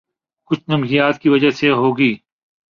کچھ نمکیات کی وجہ سے ہوگی